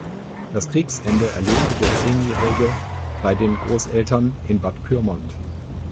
Das Kriegsende erlebte der Zehnjährige bei den Großeltern in Bad Pyrmont.